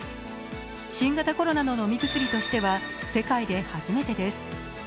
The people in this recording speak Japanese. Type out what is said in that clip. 新型コロナの飲み薬としては世界で初めてです。